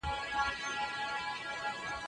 یو د بل به یې سرونه غوڅوله